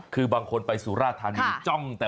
คือบางคนไปสุราธานีจ้องแต่